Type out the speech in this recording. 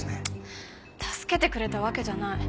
助けてくれたわけじゃない。